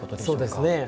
そうですね。